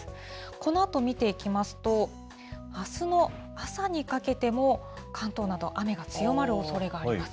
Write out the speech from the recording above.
このあと見ていきますと、あすの朝にかけても、関東など、雨が強まるおそれがあります。